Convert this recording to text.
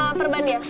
sama perban ya